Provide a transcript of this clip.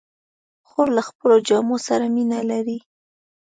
خور له خپلو جامو سره مینه لري.